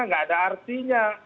tidak ada artinya